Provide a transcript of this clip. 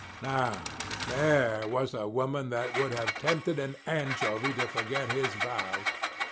"Now, there was a woman that would have tempted an anchovy to forget his vows.